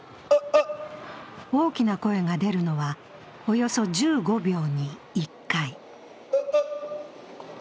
大きな声が出るのは、およそ１５秒に１回。